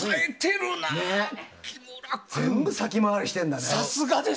全部先回りしてるね。